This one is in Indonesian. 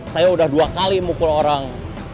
saya udah dua kali mukul orang